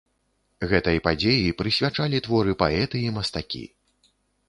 Гэтай падзеі прысвячалі творы паэты і мастакі.